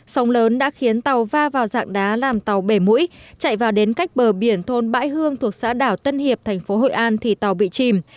sông lớn đã khiến tàu va vào dạng đá làm tàu bể mũi chạy vào đến cách bờ biển thôn bãi hương thuộc xã đảo tân hiệp thành phố hội an thì tàu bị chìm